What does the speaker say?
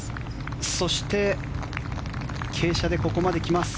そして傾斜でここまで来ます。